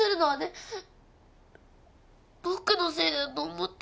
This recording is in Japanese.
僕のせいだと思って。